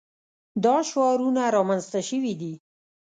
دا شعارونه رامنځته شوي دي.